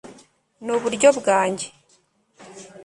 nuburyo bwanjye